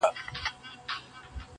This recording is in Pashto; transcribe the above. ورور مي دی هغه دی ما خپله وژني~